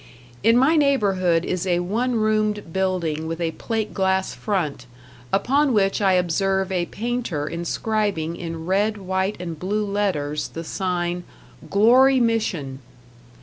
In my neighborhood is a one roomed building with a plate glass front, upon which I observe a painter inscribing in red, white and blue letters the sign "#Glory Mission.